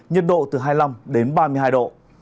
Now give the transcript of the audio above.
nhiệt độ từ hai mươi năm đến ba mươi hai độ